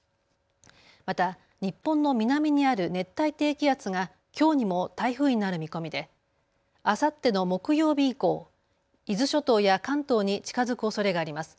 また日本の南にある熱帯低気圧がきょうにも台風になる見込みであさっての木曜日以降、伊豆諸島や関東に近づくおそれがあります。